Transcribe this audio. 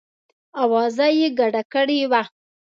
آوازه یې ګډه کړې وه.